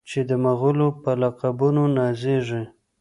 چې د مغلو په لقبونو نازیږي.